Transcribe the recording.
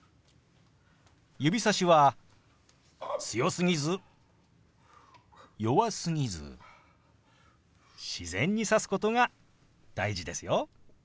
指さしは強すぎず弱すぎず自然に指すことが大事ですよ。